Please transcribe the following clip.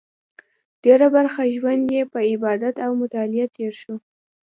ډېره برخه ژوند یې په عبادت او مطالعه تېر شو.